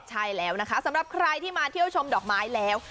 ใช่แล้วนะคะสำหรับใครที่มาเที่ยวชมดอกไม้แล้ว